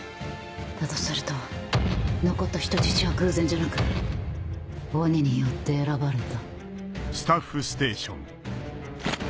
だとすると残った人質は偶然じゃなく鬼によって選ばれた。